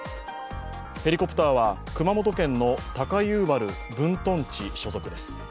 ヘリコプターは熊本県の高遊原分屯地所属です。